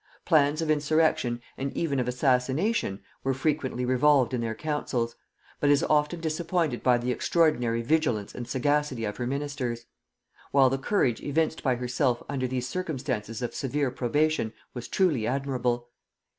Plans of insurrection and even of assassination were frequently revolved in their councils, but as often disappointed by the extraordinary vigilance and sagacity of her ministers; while the courage evinced by herself under these circumstances of severe probation was truly admirable.